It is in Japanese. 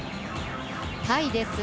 タイです。